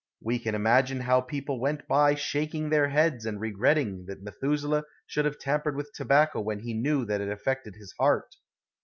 We can imagine how people went by shaking their heads and regretting that Methuselah should have tampered with tobacco when he knew that it affected his heart.